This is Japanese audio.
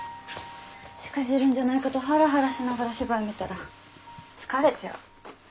しくじるんじゃないかとハラハラしながら芝居見たら疲れちゃう。